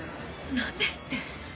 何ですって？